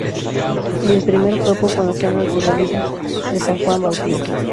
En el primer cuerpo con escenas de la vida de San Juan Bautista.